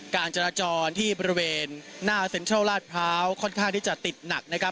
การจราจรที่บริเวณหน้าเซ็นทรัลลาดพร้าวค่อนข้างที่จะติดหนักนะครับ